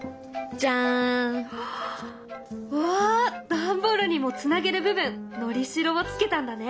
段ボールにもつなげる部分のりしろを付けたんだね。